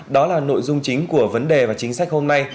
đó là nội dung chính của vấn đề và chính sách hôm nay